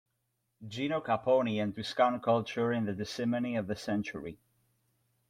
Gino Capponi and Tuscan culture in the decimony of the century.